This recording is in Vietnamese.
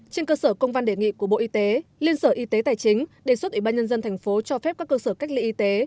trên cơ sở công văn đề nghị của bộ y tế liên sở y tế tài chính đề xuất ubnd thành phố cho phép các cơ sở cách ly y tế